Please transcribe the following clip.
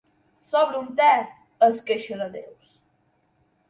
Sobra una te —es queixa la Neus.